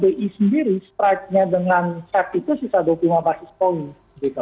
bi sendiri strike nya dengan set itu sisa dua puluh lima basis point gitu